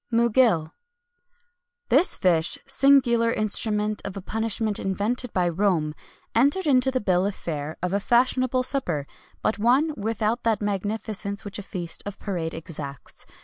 MUGIL. This fish, singular instrument of a punishment invented by Rome,[XXI 183] entered into the bill of fare of a fashionable supper, but one without that magnificence which a feast of parade exacts.